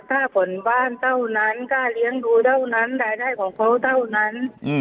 ถ้าผลบ้านเต้านั้นกล้าเลี้ยงพูดเต้านั้นรายได้ของเขาเต้านั้น